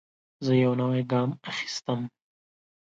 زه یو نوی ګام اخیستم.